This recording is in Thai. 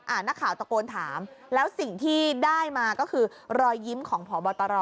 นักข่าวตะโกนถามแล้วสิ่งที่ได้มาก็คือรอยยิ้มของพบตร